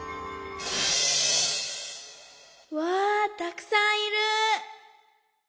わあたくさんいる！